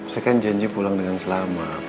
saya kan janji pulang dengan selamat